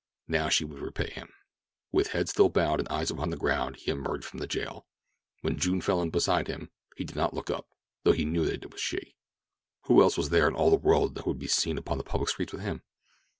Now she would repay him. With head still bowed and eyes upon the ground he emerged from the jail. When June fell in beside him, he did not look up, though he knew that it was she—who else was there in all the world who would be seen upon the public streets with him?